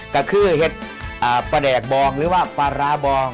ก็คือเห็ดปลาแดกบองหรือว่าปลาร้าบอง